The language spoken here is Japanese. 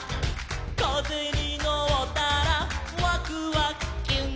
「かぜにのったらワクワクキュン」